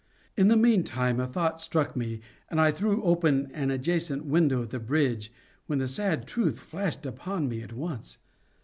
In the meantime a thought struck me, and I threw open an adjacent window of the bridge, when the sad truth flashed upon me at once.